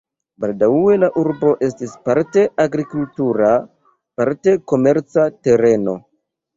Baldaŭe la urbo estis parte agrikultura, parte komerca tereno.